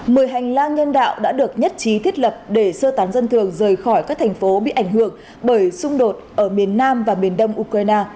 mười hành lang nhân đạo đã được nhất trí thiết lập để sơ tán dân thường rời khỏi các thành phố bị ảnh hưởng bởi xung đột ở miền nam và miền đông ukraine